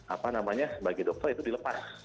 apa namanya sebagai dokter itu dilepas